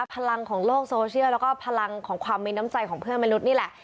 พลังของโลกโซเชียลแล้วก็พลังของความมีน้ำใจของเพื่อนมนุษย์นี่แหละ